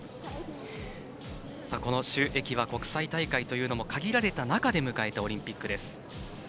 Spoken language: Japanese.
この朱易は国際大会というのも限られた中で迎えたオリンピックです。